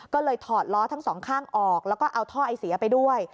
ก็เลยถอดล้อทั้งสองข้างออกแล้วก็เอาท่อไอเสียไปด้วย